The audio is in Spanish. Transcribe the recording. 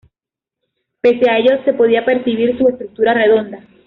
Pese a ello se podía percibir su estructura redonda.